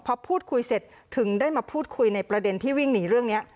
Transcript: พอพูดคุยเสร็จถึงได้มาพูดคุยในประเด็นที่วิ่งหนีเรื่องนี้